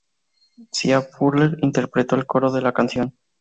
Sia Furler interpretó el coro de la canción.